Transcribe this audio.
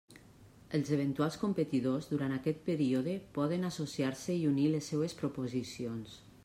Els eventuals competidors, durant aquest període, poden associar-se i unir les seues proposicions.